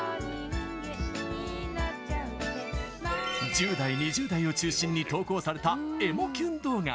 １０ 代、２０代を中心に投稿された、エモキュン動画。